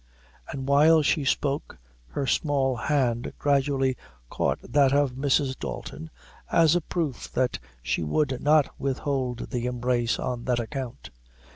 And while she spoke, her small hand gradually caught that of Mrs. Dalton, as a proof that she would not withhold the embrace on that account.